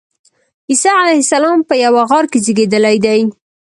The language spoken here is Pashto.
عیسی علیه السلام په یوه غار کې زېږېدلی دی.